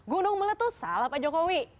gundung mela tuh salah pak jokowi